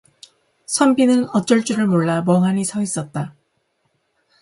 선비는 어쩔 줄을 몰라 멍하니 서 있었다.